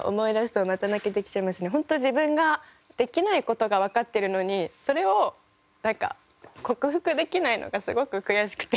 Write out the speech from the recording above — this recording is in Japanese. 本当自分ができない事がわかってるのにそれをなんか克服できないのがすごく悔しくて。